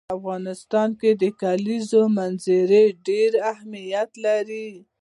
په افغانستان کې د کلیزو منظره ډېر اهمیت لري.